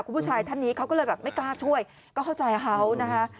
คุณผู้ชายท่านนี้เขาก็เลยแบบไม่กล้าช่วยก็เข้าใจเขานะคะ